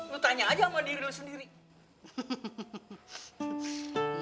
lu tanya aja sama diri lo sendiri